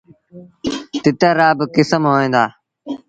تتر رآ با ڪسم هوئيݩ دآ۔